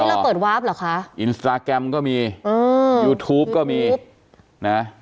เราเปิดวาร์ฟเหรอคะอินสตราแกรมก็มีอืมยูทูปก็มีนะ